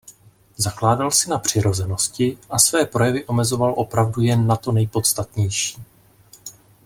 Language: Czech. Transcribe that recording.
Zakládal si na přirozenosti a své projevy omezoval opravdu jen na to nejpodstatnější.